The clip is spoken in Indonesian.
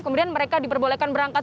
kemudian mereka diperbolehkan berangkat